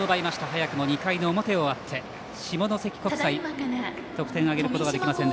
早くも２回の表終わって下関国際、得点を挙げることができません。